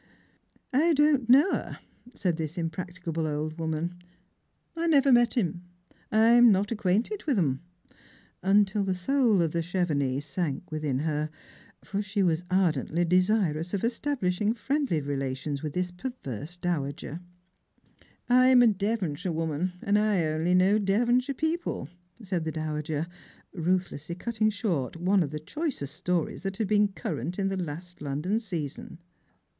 " I don't know her," said this impracticable old woman ;" I never met him ; I'm not acquainted with 'em ;" until the soul of the Chevenix sank within her, for she was ardently desirous of establishing friendly relations with this perverse dowager. " I'm a Devonshire woman, and I only know Devonshire people," said the dowager, ruthlessly cutting short one of the choicest stories that had been current in the last London season.